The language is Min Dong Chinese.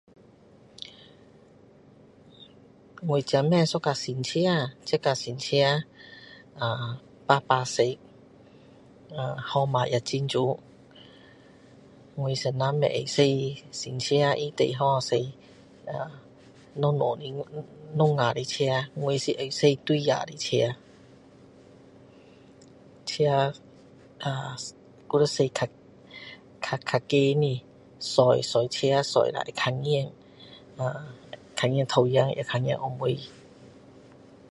我才买一辆新车这辆新车呃呃白白色号码也很美我先生不喜欢开新车他最好开小小架的车我是爱开大辆的车车啊啊还要较高的坐坐车坐了会看见呃看见前面会看见后面